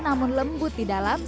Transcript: namun lembut di dalam